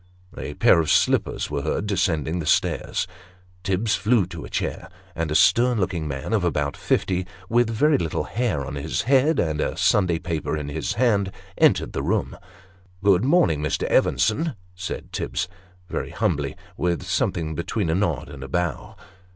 A pair of slippers were heard descending the stairs. Tibbs flew to a chair ; and a stern looking man, of about fifty, with very little hair on his head, and a Sunday paper in his hand, entered the room. Neiv Set of Boarders. 223 "Good morning, Mr. Evenson," said Tibbs, very humbly, with something between a nod and a bow.